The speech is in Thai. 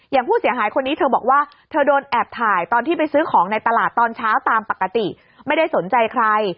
ผู้เสียหายคนนี้เธอบอกว่าเธอโดนแอบถ่ายตอนที่ไปซื้อของในตลาดตอนเช้าตามปกติไม่ได้สนใจใคร